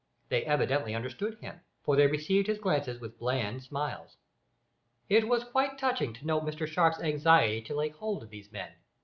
They evidently understood him, for they received his glances with bland smiles. It was quite touching to note Mr Sharp's anxiety to lay hold of these men.